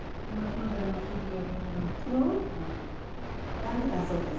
だめだそうです。